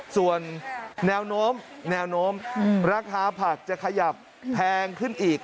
ส่วนแนวโน้มแนวโน้มราคาผักจะขยับแพงขึ้นอีก